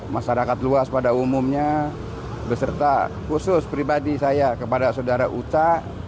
masyarakat luas pada umumnya beserta khusus pribadi saya kepada saudara uca